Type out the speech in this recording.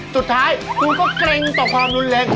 สุดท้ายคุณก็เกร็งต่อความรุนแรง